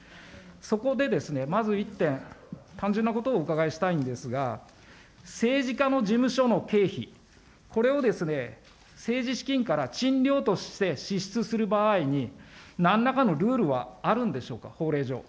そこでですね、まず１点、単純なことをお伺いしたいんですが、政治家の事務所の経費、これをですね、政治資金から賃料として支出する場合に、なんらかのルールはあるんでしょうか、法令上。